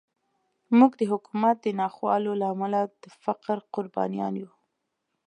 موږ د حکومت د ناخوالو له امله د فقر قربانیان یو.